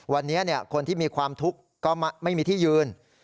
วันนี้คนที่มีความทุกข์ก็ไม่มีที่ยืน